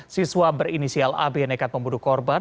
siswa berinisial ab nekat membunuh korban